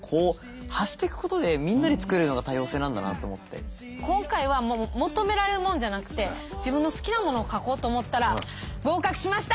そうじゃなくて今回は求められるものじゃなくて自分の好きなものを書こうと思ったら合格しました！